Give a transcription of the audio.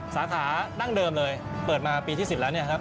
สาขาดั้งเดิมเลยเปิดมาปีที่๑๐แล้วเนี่ยครับ